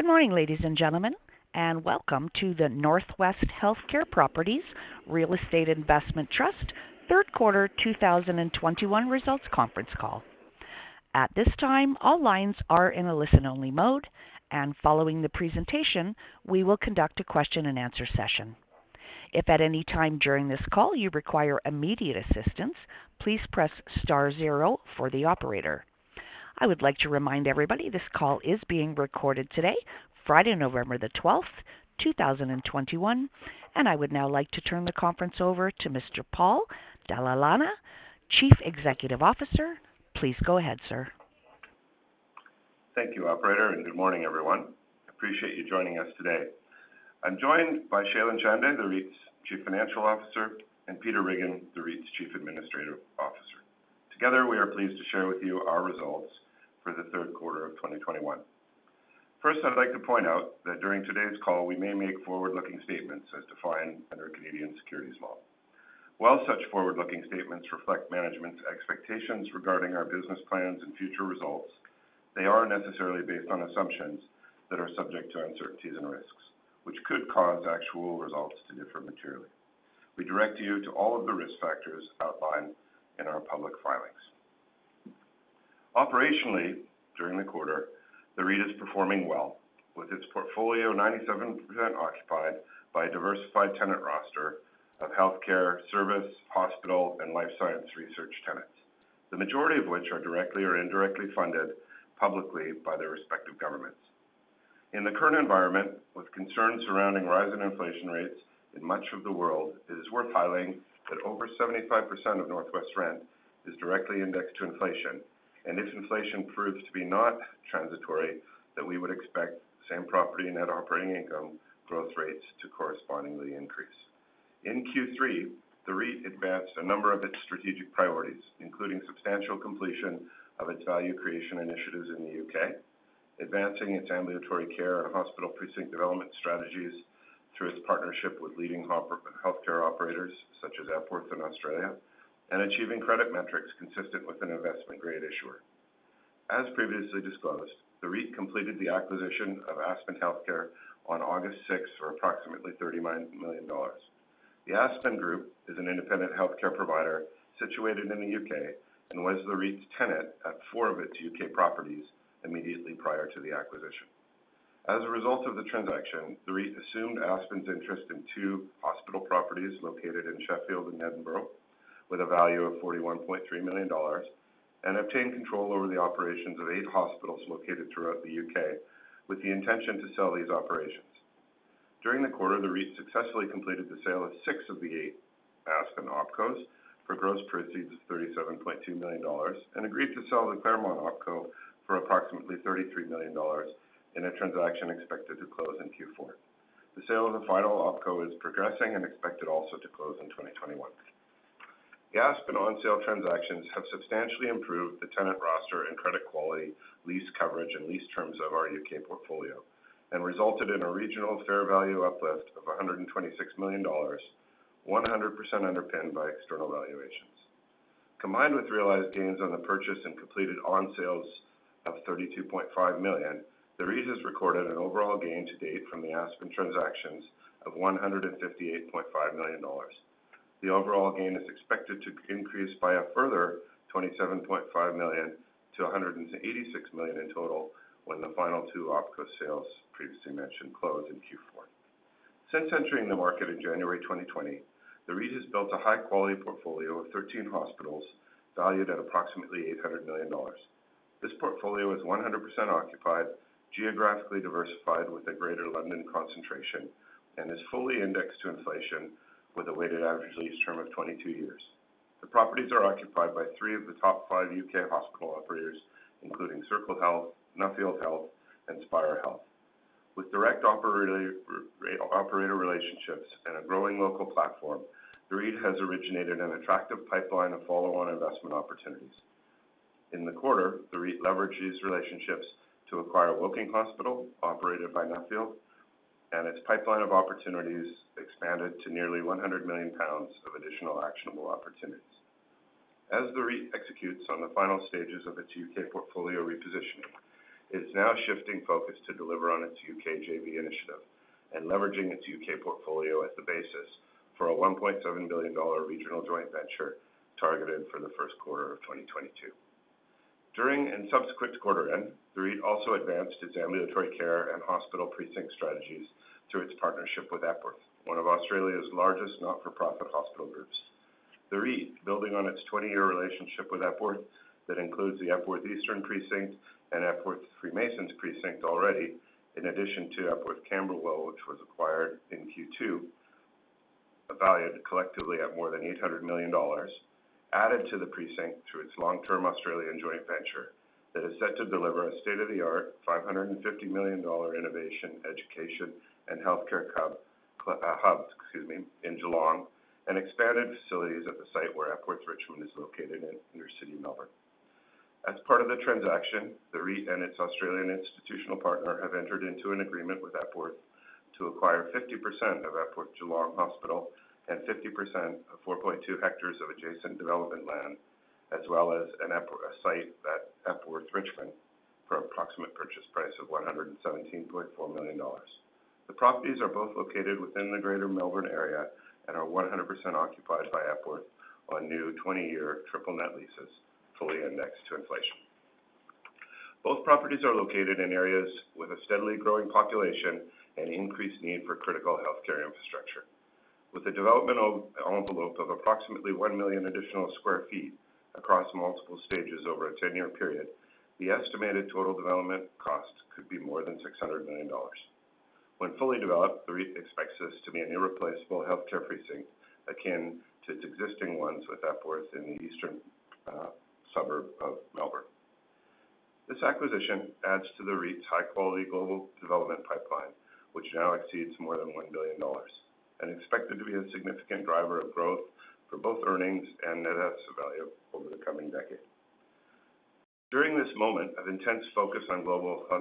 Good morning, ladies and gentlemen, and welcome to the Northwest Healthcare Properties Real Estate Investment Trust third quarter 2021 results conference call. At this time, all lines are in a listen-only mode, and following the presentation, we will conduct a question-and-answer session. If at any time during this call you require immediate assistance, please press star zero for the operator. I would like to remind everybody this call is being recorded today, Friday, November 12, 2021. I would now like to turn the conference over to Mr. Paul Dalla Lana, Chief Executive Officer. Please go ahead, sir. Thank you, operator, and good morning, everyone. Appreciate you joining us today. I'm joined by Shailen Chande, the REIT's Chief Financial Officer, and Peter Riggin, the REIT's Chief Administrative Officer. Together, we are pleased to share with you our results for the third quarter of 2021. First, I'd like to point out that during today's call we may make forward-looking statements as defined under Canadian securities law. While such forward-looking statements reflect management's expectations regarding our business plans and future results, they are necessarily based on assumptions that are subject to uncertainties and risks, which could cause actual results to differ materially. We direct you to all of the risk factors outlined in our public filings. Operationally, during the quarter, the REIT is performing well, with its portfolio 97% occupied by a diversified tenant roster of healthcare, service, hospital, and life science research tenants, the majority of which are directly or indirectly funded publicly by their respective governments. In the current environment, with concerns surrounding rising inflation rates in much of the world, it is worth highlighting that over 75% of NorthWest rent is directly indexed to inflation. If inflation proves to be not transitory, then we would expect same-property net operating income growth rates to correspondingly increase. In Q3, the REIT advanced a number of its strategic priorities, including substantial completion of its value creation initiatives in the U.K., advancing its ambulatory care and hospital precinct development strategies through its partnership with leading healthcare operators such as Epworth in Australia, and achieving credit metrics consistent with an investment-grade issuer. As previously disclosed, the REIT completed the acquisition of Aspen Healthcare on August sixth for approximately 39 million dollars. The Aspen Group is an independent healthcare provider situated in the U.K. and was the REIT's tenant at four of its U.K. properties immediately prior to the acquisition. As a result of the transaction, the REIT assumed Aspen's interest in two hospital properties located in Sheffield and Edinburgh with a value of 41.3 million dollars and obtained control over the operations of eight hospitals located throughout the U.K. with the intention to sell these operations. During the quarter, the REIT successfully completed the sale of six of the eight Aspen OpCos for gross proceeds of 37.2 million dollars and agreed to sell the Claremont OpCo for approximately 33 million dollars in a transaction expected to close in Q4. The sale of the final OpCo is progressing and expected also to close in 2021. The Aspen on-sale transactions have substantially improved the tenant roster and credit quality, lease coverage, and lease terms of our U.K. portfolio and resulted in a regional fair value uplift of 126 million dollars, 100% underpinned by external valuations. Combined with realized gains on the purchase and completed on sales of 32.5 million, the REIT has recorded an overall gain to date from the Aspen transactions of 158.5 million dollars. The overall gain is expected to increase by a further 27.5 million to 186 million in total when the final 2 OpCo sales previously mentioned close in Q4. Since entering the market in January 2020, the REIT has built a high-quality portfolio of 13 hospitals valued at approximately $800 million. This portfolio is 100% occupied, geographically diversified with a Greater London concentration, and is fully indexed to inflation with a weighted average lease term of 22 years. The properties are occupied by three of the top 5 U.K. hospital operators, including Circle Health, Nuffield Health, and Spire Healthcare. With direct operator relationships and a growing local platform, the REIT has originated an attractive pipeline of follow-on investment opportunities. In the quarter, the REIT leveraged these relationships to acquire Woking Hospital, operated by Nuffield, and its pipeline of opportunities expanded to nearly 100 million pounds of additional actionable opportunities. As the REIT executes on the final stages of its U.K. portfolio repositioning, it is now shifting focus to deliver on its U.K. JV initiative and leveraging its U.K. portfolio as the basis for a $1.7 billion regional joint venture targeted for the first quarter of 2022. During and subsequent to quarter end, the REIT also advanced its ambulatory care and hospital precinct strategies through its partnership with Epworth, one of Australia's largest not-for-profit hospital groups. The REIT, building on its 20-year relationship with Epworth that includes the Epworth Eastern Precinct and Epworth Freemasons Precinct already, in addition to Epworth Camberwell, which was acquired in Q2, valued collectively at more than 800 million dollars, added to the precinct through its long-term Australian joint venture that is set to deliver a state-of-the-art AUD 550 million innovation, education, and healthcare hub in Geelong and expanded facilities at the site where Epworth Richmond is located in inner-city Melbourne. As part of the transaction, the REIT and its Australian institutional partner have entered into an agreement with Epworth to acquire 50% of Epworth Geelong Hospital and 50% of 4.2 hectares of adjacent development land, as well as a site at Epworth Richmond for approximate purchase price of 117.4 million dollars. The properties are both located within the Greater Melbourne area and are 100% occupied by Epworth on new 20-year triple net leases, fully indexed to inflation. Both properties are located in areas with a steadily growing population and increased need for critical healthcare infrastructure. With a developmental envelope of approximately 1 million additional sq ft across multiple stages over a 10-year period, the estimated total development costs could be more than 600 million dollars. When fully developed, the REIT expects this to be an irreplaceable healthcare precinct akin to existing ones with Epworth in the eastern suburb of Melbourne. This acquisition adds to the REIT's high-quality global development pipeline, which now exceeds more than 1 billion dollars, and expected to be a significant driver of growth for both earnings and net asset value over the coming decade. During this moment of intense focus on the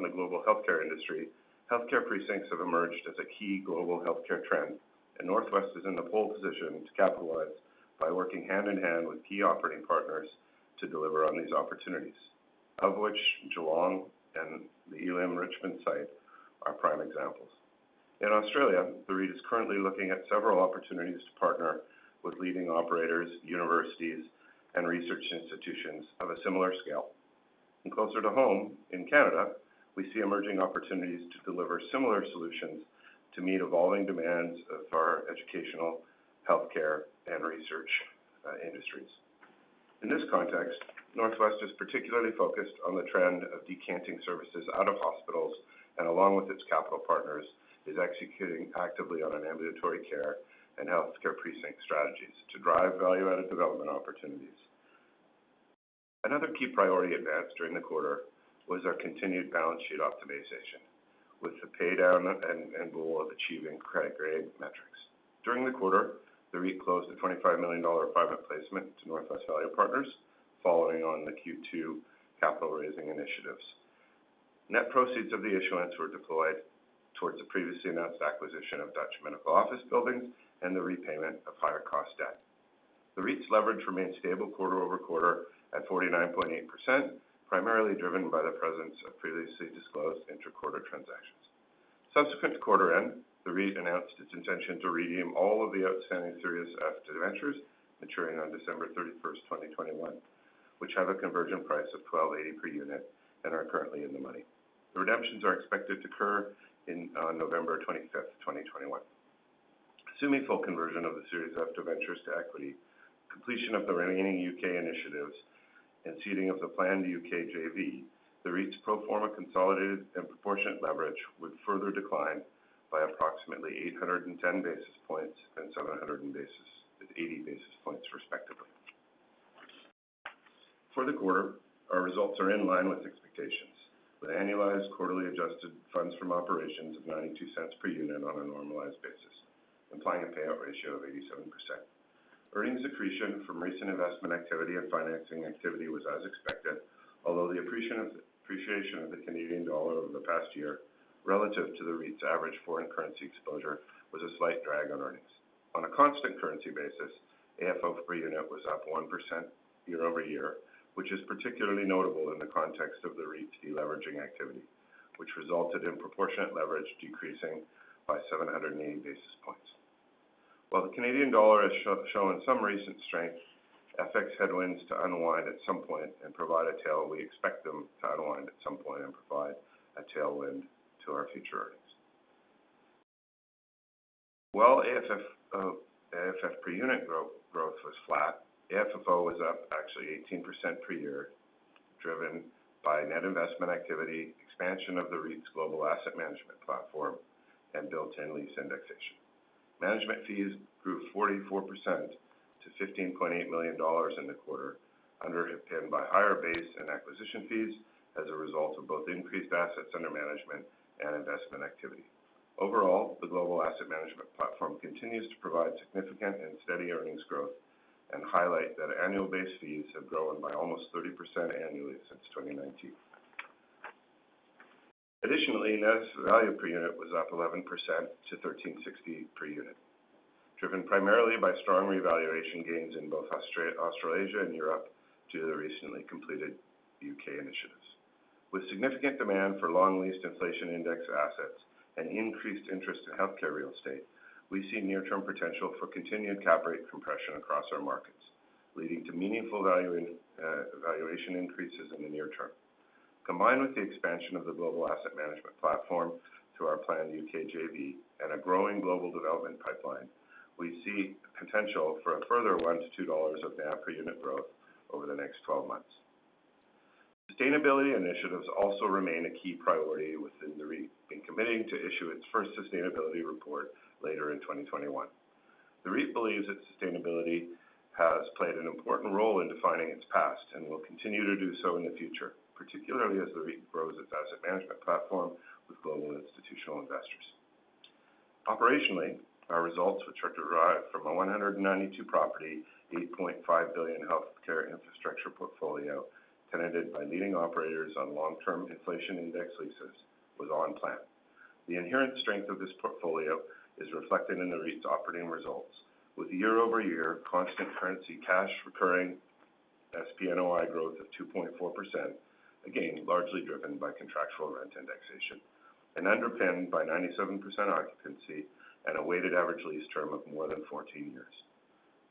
global healthcare industry, healthcare precincts have emerged as a key global healthcare trend, and NorthWest is in the pole position to capitalize by working hand-in-hand with key operating partners to deliver on these opportunities, of which Geelong and the Eltham Richmond site are prime examples. In Australia, the REIT is currently looking at several opportunities to partner with leading operators, universities, and research institutions of a similar scale. Closer to home, in Canada, we see emerging opportunities to deliver similar solutions to meet evolving demands of our educational, healthcare, and research industries. In this context, NorthWest is particularly focused on the trend of decanting services out of hospitals, and along with its capital partners, is executing actively on an ambulatory care and healthcare precinct strategies to drive value-added development opportunities. Another key priority advanced during the quarter was our continued balance sheet optimization with the pay down and goal of achieving investment-grade metrics. During the quarter, the REIT closed a 25 million dollar private placement to NorthWest Value Partners following on the Q2 capital-raising initiatives. Net proceeds of the issuance were deployed towards the previously announced acquisition of Dutch medical office buildings and the repayment of higher-cost debt. The REIT's leverage remains stable quarter-over-quarter at 49.8%, primarily driven by the presence of previously disclosed intra-quarter transactions. Subsequent to quarter end, the REIT announced its intention to redeem all of the outstanding Series F debentures maturing on December 31, 2021, which have a conversion price of 12.80 per unit and are currently in the money. The redemptions are expected to occur in November 25, 2021. Assuming full conversion of the Series F debentures to equity, completion of the remaining U.K. initiatives, and ceding of the planned U.K. JV, the REIT's pro forma consolidated and proportionate leverage would further decline by approximately 810 basis points and 780 basis points respectively. For the quarter, our results are in line with expectations, with annualized quarterly adjusted funds from operations of $0.92 per unit on a normalized basis, implying a payout ratio of 87%. Earnings accretion from recent investment activity and financing activity was as expected, although the appreciation of the Canadian dollar over the past year relative to the REIT's average foreign currency exposure was a slight drag on earnings. On a constant currency basis, AFFO per unit was up 1% year-over-year, which is particularly notable in the context of the REIT's deleveraging activity, which resulted in proportionate leverage decreasing by 780 basis points. While the Canadian dollar has shown some recent strength. We expect them to unwind at some point and provide a tailwind to our future earnings. While AFFO per unit growth was flat, AFFO was up actually 18% per year, driven by net investment activity, expansion of the REIT's global asset management platform, and built-in lease indexation. Management fees grew 44% to 15.8 million dollars in the quarter, underpinned by higher base and acquisition fees as a result of both increased assets under management and investment activity. Overall, the global asset management platform continues to provide significant and steady earnings growth and highlight that annual base fees have grown by almost 30% annually since 2019. Additionally, net asset value per unit was up 11% to 13.60 per unit, driven primarily by strong revaluation gains in both Australasia and Europe due to the recently completed UK initiatives. With significant demand for long leased inflation indexed assets and increased interest in healthcare real estate, we see near-term potential for continued cap rate compression across our markets, leading to meaningful valuation increases in the near term. Combined with the expansion of the global asset management platform through our planned UK JV and a growing global development pipeline, we see potential for a further 1-2 dollars of NAV per unit growth over the next 12 months. Sustainability initiatives also remain a key priority within the REIT, and committing to issue its first sustainability report later in 2021. The REIT believes that sustainability has played an important role in defining its past and will continue to do so in the future, particularly as the REIT grows its asset management platform with global institutional investors. Operationally, our results, which are derived from a 192-property, 8.5 billion healthcare infrastructure portfolio tenanted by leading operators on long-term inflation-indexed leases, was on plan. The inherent strength of this portfolio is reflected in the REIT's operating results, with year-over-year constant currency cash recurring SPNOI growth of 2.4%, again, largely driven by contractual rent indexation and underpinned by 97% occupancy and a weighted average lease term of more than 14 years.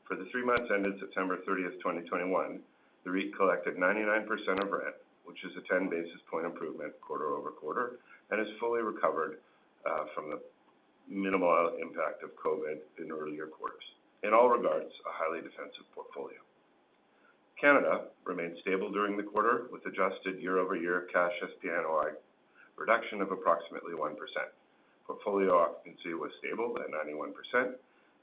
For the three months ended September 30, 2021, the REIT collected 99% of rent, which is a 10 basis points improvement quarter-over-quarter, and is fully recovered from the minimal impact of COVID in earlier quarters. In all regards, a highly defensive portfolio. Canada remained stable during the quarter with adjusted year-over-year cash SPNOI reduction of approximately 1%. Portfolio occupancy was stable at 91%,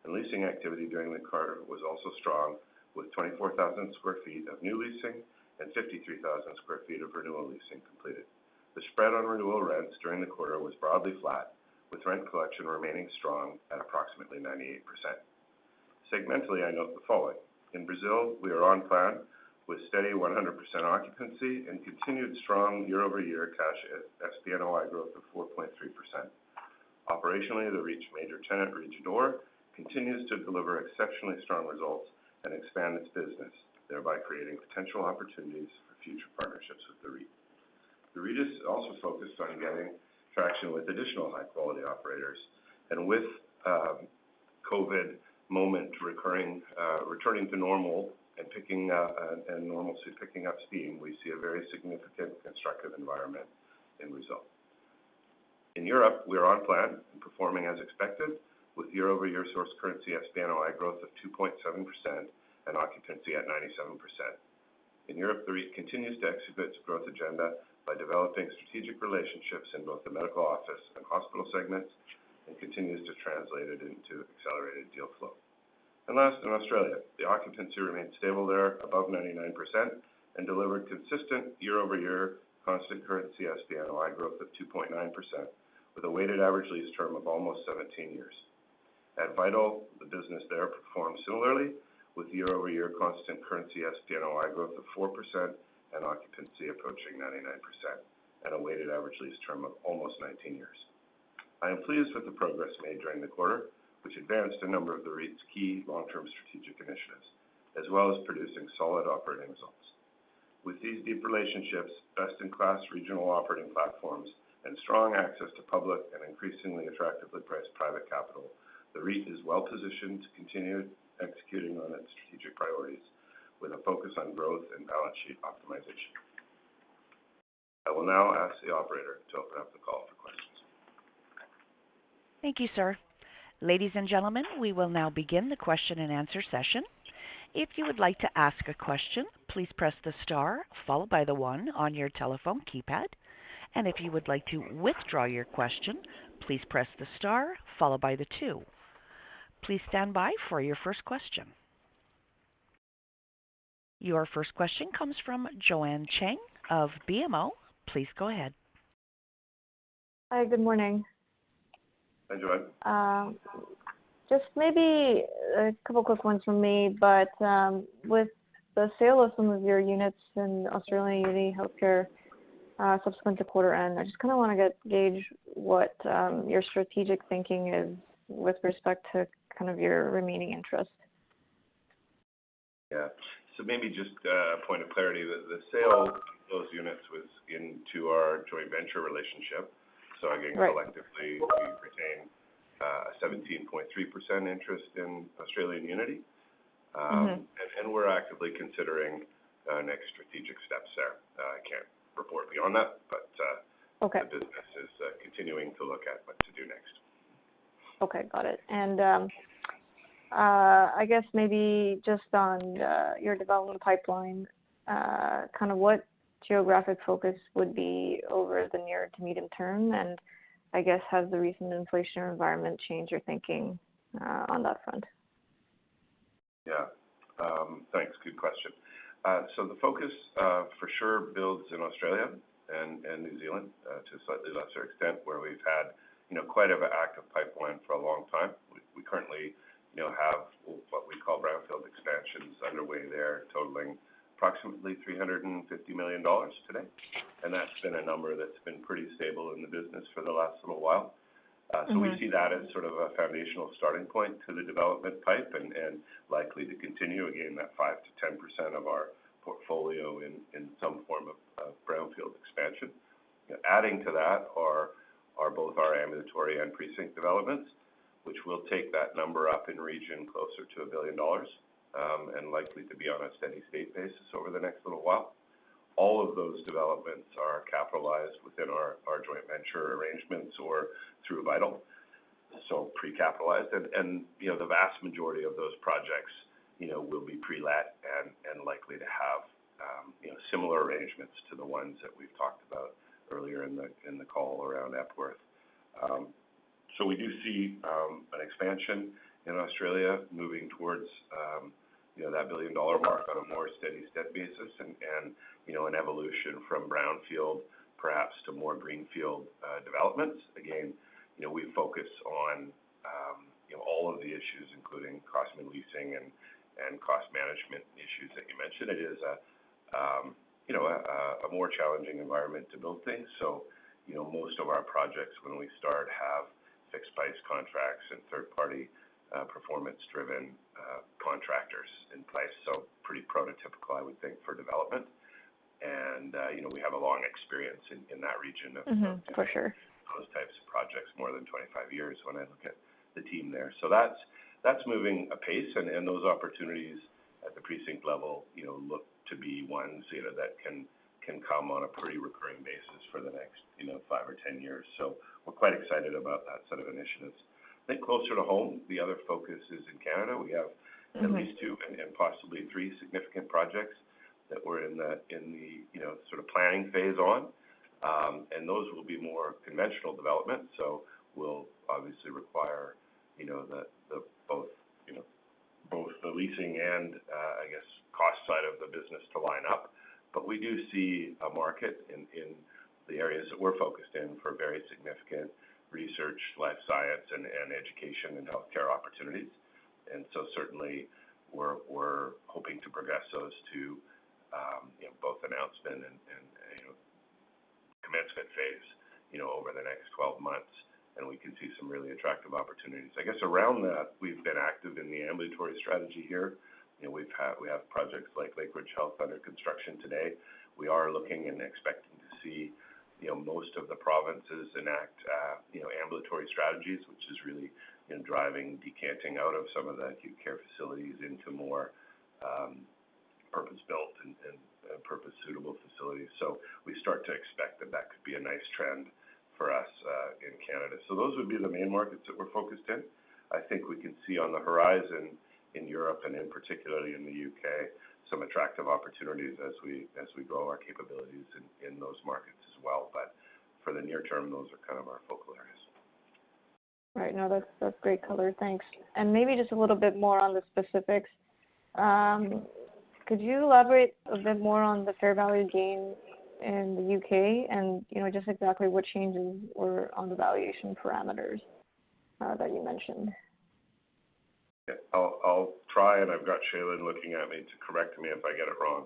and leasing activity during the quarter was also strong, with 24,000 sq ft of new leasing and 53,000 sq ft of renewal leasing completed. The spread on renewal rents during the quarter was broadly flat, with rent collection remaining strong at approximately 98%. Segmentally, I note the following. In Brazil, we are on plan with steady 100% occupancy and continued strong year-over-year cash SPNOI growth of 4.3%. Operationally, the REIT's major tenant, Rede D'Or, continues to deliver exceptionally strong results and expand its business, thereby creating potential opportunities for future partnerships with the REIT. The REIT is also focused on gaining traction with additional high-quality operators. With COVID momentum recurring, returning to normal and normalcy picking up steam, we see a very significant constructive environment end result. In Europe, we are on plan and performing as expected, with year-over-year source currency SPNOI growth of 2.7% and occupancy at 97%. In Europe, the REIT continues to exhibit its growth agenda by developing strategic relationships in both the medical office and hospital segments, and continues to translate it into accelerated deal flow. Last, in Australia, the occupancy remained stable there above 99% and delivered consistent year-over-year constant currency SPNOI growth of 2.9%, with a weighted average lease term of almost 17 years. At Vital, the business there performed similarly with year-over-year constant currency SPNOI growth of 4% and occupancy approaching 99% at a weighted average lease term of almost 19 years. I am pleased with the progress made during the quarter, which advanced a number of the REIT's key long-term strategic initiatives, as well as producing solid operating results. With these deep relationships, best-in-class regional operating platforms, and strong access to public and increasingly attractively priced private capital, the REIT is well positioned to continue executing on its strategic priorities with a focus on growth and balance sheet optimization. I will now ask the operator to open up the call for questions. Thank you, sir. Ladies and gentlemen, we will now begin the question-and-answer session. If you would like to ask a question, please press the star followed by the one on your telephone keypad. If you would like to withdraw your question, please press the star followed by the two. Please stand by for your first question. Your first question comes from Jonathan Chen of BMO. Please go ahead. Hi, good morning. Hi, Jonathan. Just maybe a couple of quick ones from me, but with the sale of some of your units in Australian Unity Healthcare subsequent to quarter end, I just kind of want to gauge what your strategic thinking is with respect to kind of your remaining interest. Yeah. Maybe just a point of clarity. The sale of those units was into our joint venture relationship. Right. Again, collectively, we retain 17.3% interest in Australian Unity. Mm-hmm. We're actively considering our next strategic steps there. I can't report beyond that, but Okay The business is continuing to look at what to do next. Okay, got it. I guess maybe just on your development pipeline, kind of what geographic focus would be over the near to medium term? I guess, has the recent inflation environment changed your thinking on that front? Yeah. Thanks. Good question. So the focus, for sure, builds in Australia and New Zealand, to a slightly lesser extent, where we've had, you know, quite an active pipeline for a long time. We currently, you know, have what we call brownfield expansions underway there, totaling approximately 350 million dollars today. That's been a number that's been pretty stable in the business for the last little while. Mm-hmm. We see that as sort of a foundational starting point to the development pipeline and likely to continue, again, that 5%-10% of our portfolio in some form of brownfield expansion. Adding to that are both our ambulatory and precinct developments, which will take that number up in the region closer to 1 billion dollars and likely to be on a steady-state basis over the next little while. All of those developments are capitalized within our joint venture arrangements or through Vital, so pre-capitalized. You know, the vast majority of those projects, you know, will be pre-let and likely to have, you know, similar arrangements to the ones that we've talked about earlier in the call around Epworth. We do see an expansion in Australia moving towards, you know, that 1 billion dollar mark on a more steady-state basis and, you know, an evolution from brownfield perhaps to more greenfield developments. Again, you know, we focus on, you know, all of the issues, including cost and leasing and cost management issues that you mentioned. You know, a more challenging environment to build things. You know, most of our projects when we start have fixed price contracts and third-party performance-driven contractors in place. Pretty prototypical, I would think, for development. You know, we have a long experience in that region of- For sure. those types of projects, more than 25 years when I look at the team there. That's moving apace, and those opportunities at the precinct level, you know, look to be ones, you know, that can come on a pretty recurring basis for the next, you know, 5 or 10 years. We're quite excited about that set of initiatives. I think closer to home, the other focus is in Canada. We have Mm-hmm At least two and possibly three significant projects that we're in the you know sort of planning phase on. Those will be more conventional development, so will obviously require you know the both you know both the leasing and I guess cost side of the business to line up. We do see a market in the areas that we're focused in for very significant research, life science, and education and healthcare opportunities. Certainly we're hoping to progress those to you know both announcement and you know commencement phase you know over the next 12 months, and we can see some really attractive opportunities. I guess around that, we've been active in the ambulatory strategy here. You know, we have projects like Lakeridge Health under construction today. We are looking and expecting to see, you know, most of the provinces enact, you know, ambulatory strategies, which is really, you know, driving decanting out of some of the acute care facilities into more purpose-built and purpose-suitable facilities. We start to expect that could be a nice trend for us in Canada. Those would be the main markets that we're focused in. I think we can see on the horizon in Europe and particularly in the U.K., some attractive opportunities as we grow our capabilities in those markets as well. For the near term, those are kind of our focal areas. Right. No, that's great color. Thanks. Maybe just a little bit more on the specifics. Could you elaborate a bit more on the fair value gain in the U.K. and, you know, just exactly what changes were on the valuation parameters that you mentioned? Yeah. I'll try, and I've got Shailen looking at me to correct me if I get it wrong.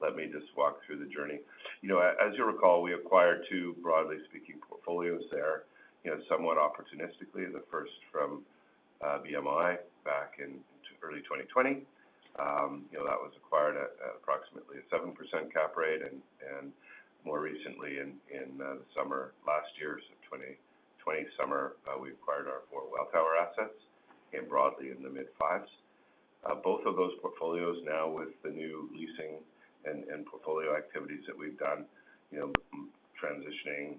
Let me just walk through the journey. You know, as you recall, we acquired two, broadly speaking, portfolios there, you know, somewhat opportunistically, the first from BMI back in early 2020. You know, that was acquired at approximately a 7% cap rate. And more recently in the summer, last year's 2020 summer, we acquired our four Welltower assets, came broadly in the mid-5s. Both of those portfolios now with the new leasing and portfolio activities that we've done, you know, transitioning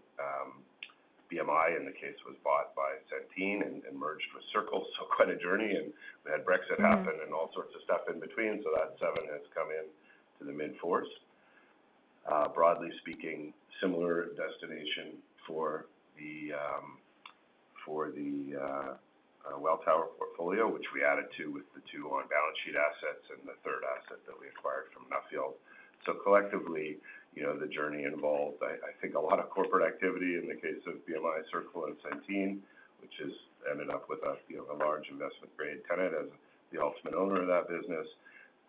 BMI in the case was bought by Centene and merged with Circle. Quite a journey, and we had Brexit happen and all sorts of stuff in between. That seven has come into the mid-fours. Broadly speaking, similar destination for the Welltower portfolio, which we added to with the two on-balance-sheet assets and the third asset that we acquired from Nuffield. Collectively, you know, the journey involved, I think a lot of corporate activity in the case of BMI, Circle and Centene, which has ended up with us, you know, a large investment-grade tenant as the ultimate owner of that business.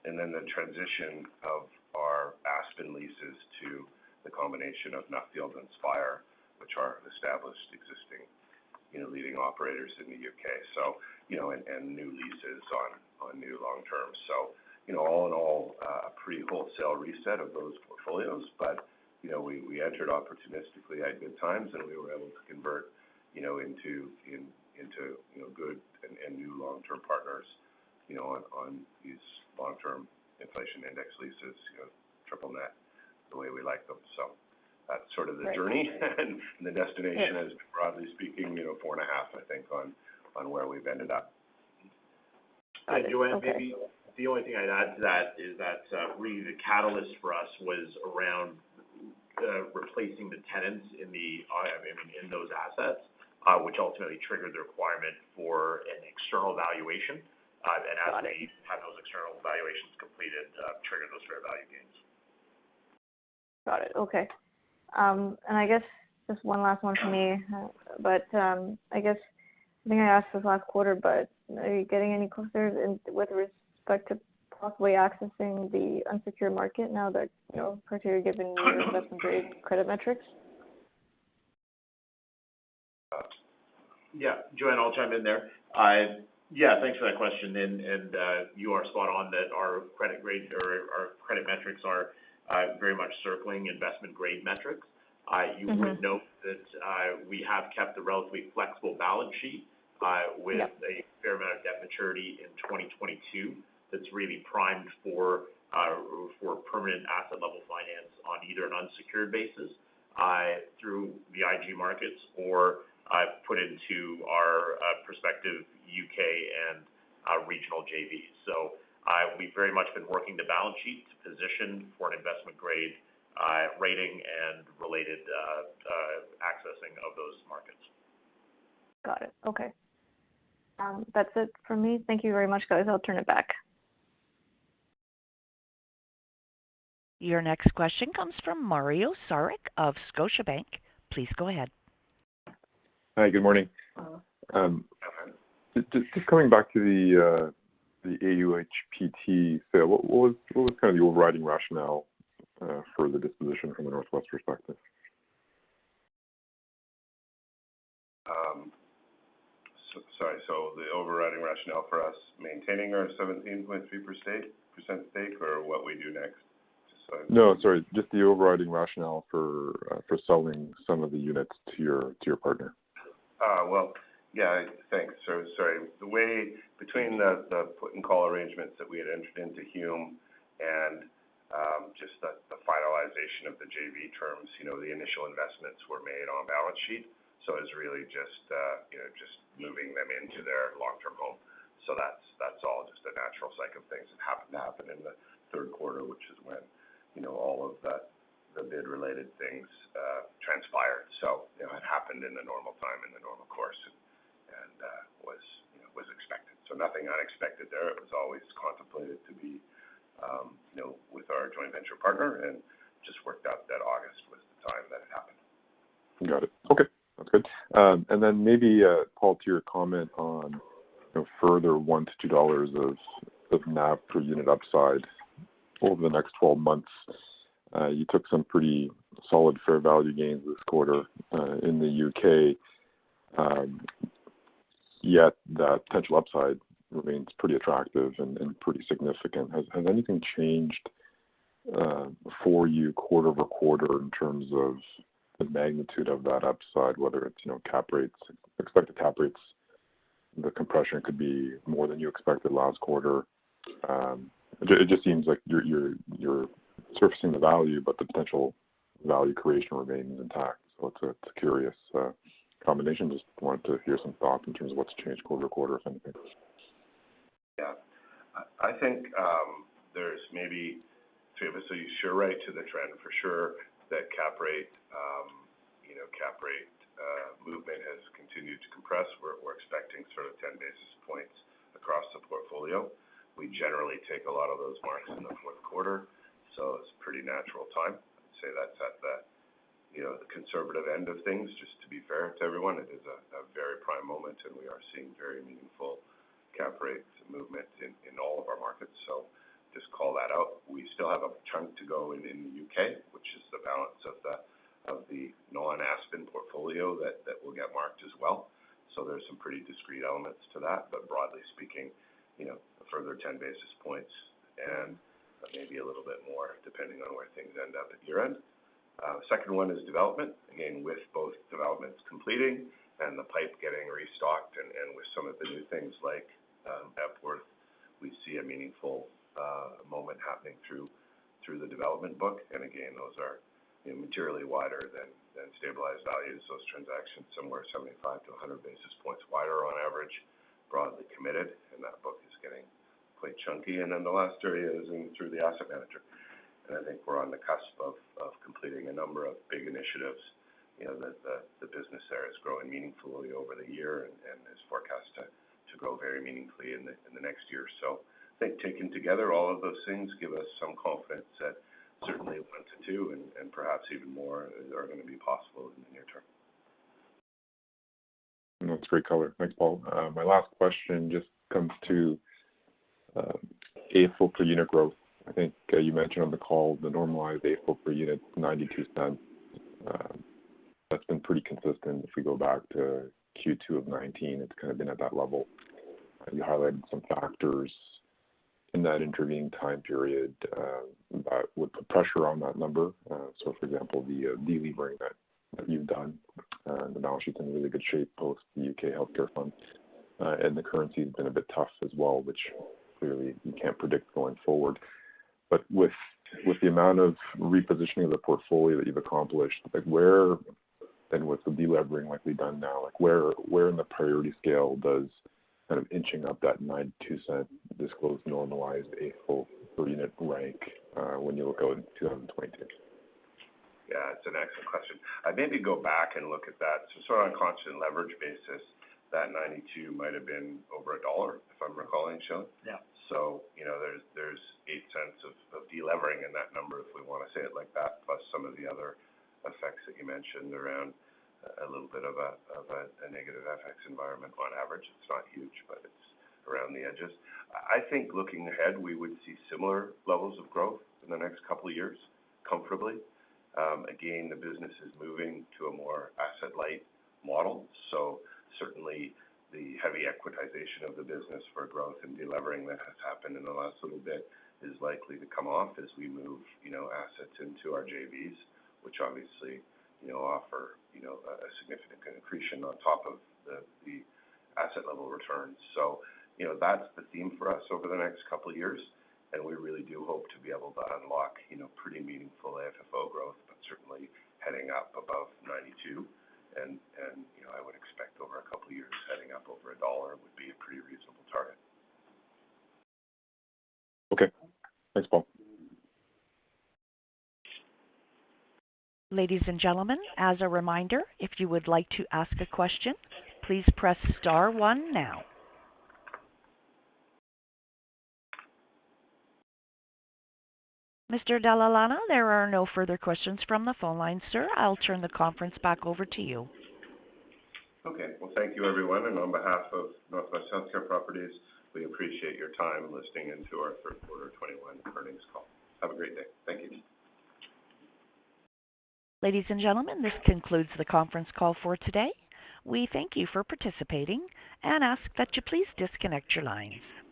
Then the transition of our Aspen leases to the combination of Nuffield and Spire, which are established existing, you know, leading operators in the U.K. You know, and new leases on new long term. You know, all in all, a pretty wholesale reset of those portfolios. you know, we entered opportunistically at good times, and we were able to convert, you know, into good and new long-term partners, you know, on these long-term inflation index leases, you know, triple net the way we like them. That's sort of the journey and the destination is, broadly speaking, you know, 4.5, I think, on where we've ended up. Got it. Okay. Jonathan, maybe the only thing I'd add to that is that really the catalyst for us was around replacing the tenants in the, I mean, in those assets, which ultimately triggered the requirement for an external valuation. Then as we- Got it.... had those external valuations completed, triggered those fair value gains. Got it. Okay. I guess just one last one from me. I guess, I think I asked this last quarter, but are you getting any closer in with respect to possibly accessing the unsecured market now that, you know, criteria given your investment-grade credit metrics? Yeah. Jonathan, I'll chime in there. Yeah, thanks for that question. You are spot on that our credit grade or our credit metrics are very much circling investment-grade metrics. You would note that we have kept a relatively flexible balance sheet. Yeah with a fair amount of debt maturity in 2022 that's really primed for permanent asset level finance on either an unsecured basis, through the investment-grade markets or put into our prospective U.K. and regional JVs. We've very much been working the balance sheet to position for an investment-grade rating and related accessing of those markets. Got it. Okay. That's it from me. Thank you very much, guys. I'll turn it back. Your next question comes from Mario Saric of Scotiabank. Please go ahead. Hi, good morning. Hello. Just coming back to the AUHPT sale. What was kind of the overriding rationale for the disposition from a Northwest perspective? Sorry. The overriding rationale for us maintaining our 17.3% stake, or what we do next? No, sorry. Just the overriding rationale for selling some of the units to your partner. Well, yeah, thanks. Sorry. The wait between the put and call arrangements that we had entered into with Hume and just the finalization of the JV terms. You know, the initial investments were made on balance sheet, so it's really just, you know, just moving them into their long-term home. That's all just a natural cycle of things that happened in the third quarter, which is when, you know, all of the bid-related things transpired. You know, it happened in the normal time, in the normal course and was expected. Nothing unexpected there. It was always contemplated to be, you know, with our joint venture partner and just worked out that August was the time that it happened. Got it. Okay, that's good. Maybe Paul, to your comment on, you know, further $1-$2 of NAV per unit upside over the next 12 months. You took some pretty solid fair value gains this quarter in the U.K. Yet the potential upside remains pretty attractive and pretty significant. Has anything changed for you quarter over quarter in terms of the magnitude of that upside, whether it's, you know, cap rates, expected cap rates, the compression could be more than you expected last quarter? It just seems like you're surfacing the value, but the potential value creation remains intact. It's a curious combination. Just wanted to hear some thoughts in terms of what's changed quarter to quarter, if anything. Yeah. I think there's maybe two of us. You're right about the trend for sure that cap rate movement has continued to compress. We're expecting sort of 10 basis points across the portfolio. We generally take a lot of those marks in the fourth quarter, so it's pretty natural time. I'd say that's at the you know conservative end of things. Just to be fair to everyone, it is a very prime moment, and we are seeing very meaningful cap rates movement in all of our markets. Just call that out. We still have a chunk to go in the U.K., which is the balance of the non-Aspen portfolio that will get marked as well. There's some pretty discrete elements to that. Broadly speaking, you know, a further 10 basis points and maybe a little bit more depending on where things end up at year-end. Second one is development. Again, with both developments completing and the pipeline getting restocked and with some of the new things like Epworth, we see a meaningful momentum happening through the development book. Again, those are materially wider than stabilized values. Those transactions somewhere 75 to 100 basis points wider on average, broadly committed. That book is getting quite chunky. Then the last area is in through the asset manager. I think we're on the cusp of completing a number of big initiatives. You know, the business there is growing meaningfully over the year and is forecast to grow very meaningfully in the next year. I think taken together, all of those things give us some confidence that certainly 1-2 and perhaps even more are gonna be possible in the near term. That's great color. Thanks, Paul. My last question just comes to AFFO per unit growth. I think you mentioned on the call the normalized AFFO per unit, 0.92. That's been pretty consistent. If we go back to Q2 of 2019, it's kind of been at that level. You highlighted some factors in that intervening time period with the pressure on that number. So for example, the delevering that you've done. The balance sheet's in really good shape, post the UK healthcare fund. And the currency's been a bit tough as well, which clearly you can't predict going forward. With the amount of repositioning of the portfolio that you've accomplished, like where then with the delevering likely done now, like where in the priority scale does kind of inching up that 0.92 disclosed normalized AFFO per unit rank, when you look out in 2022? Yeah, it's an excellent question. I may go back and look at that. Sort of on a constant leverage basis, that 92 might have been over NZD 1, if I'm recalling, Shailen. Yeah. You know, there's 0.08 of delevering in that number, if we wanna say it like that, plus some of the other effects that you mentioned around a little bit of a negative FX environment on average. It's not huge, but it's around the edges. I think looking ahead, we would see similar levels of growth in the next couple of years comfortably. Again, the business is moving to a more asset-light model. Certainly the heavy equitization of the business for growth and delevering that has happened in the last little bit is likely to come off as we move, you know, assets into our JVs, which obviously, you know, offer a significant accretion on top of the asset level returns. You know, that's the theme for us over the next couple of years, and we really do hope to be able to unlock, you know, pretty meaningful AFFO growth, but certainly heading up above 92. You know, I would expect over a couple of years, heading up over a dollar would be a pretty reasonable target. Okay. Thanks, Paul. Ladies and gentlemen, as a reminder, if you would like to ask a question, please press star one now. Mr. Dalla Lana, there are no further questions from the phone line, sir. I'll turn the conference back over to you. Okay. Well, thank you everyone, and on behalf of Northwest Healthcare Properties, we appreciate your time listening in to our third quarter 2021 earnings call. Have a great day. Thank you. Ladies and gentlemen, this concludes the conference call for today. We thank you for participating and ask that you please disconnect your lines.